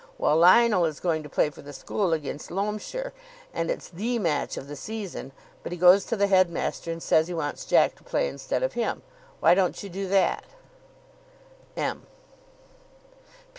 Well, Lionel is going to play for the school against Loamshire, and it's the match of the season, but he goes to the headmaster and says he wants Jack to play instead of him. Why don't you do that? "M.